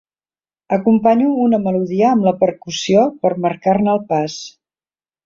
Acompanyo una melodia amb la percussió per marcar-ne el pas.